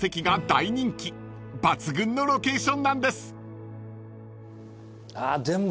［抜群のロケーションなんです］